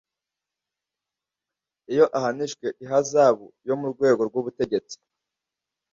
iyi ahanishwa ihazabu yo mu rwego rw ubutegetsi